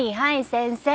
先生。